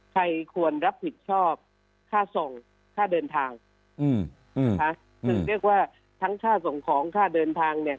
ใครควรรับผิดชอบค่าส่งค่าเดินทางอืมนะคะคือเรียกว่าทั้งค่าส่งของค่าเดินทางเนี่ย